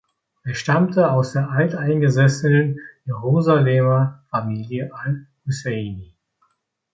Er stammte aus der alteingesessenen Jerusalemer Familie al-Husaini.